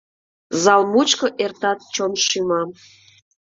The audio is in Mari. Зал мучко эртат чоншӱма.